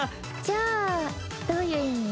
じゃあどういう意味？